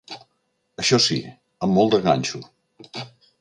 Això sí, amb molt de ganxo.